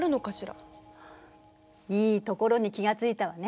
いいところに気が付いたわね。